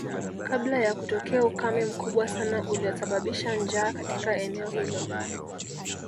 Kabla ya kutokea ukame mkubwa sana uliosababisha njaa katika eneo hilo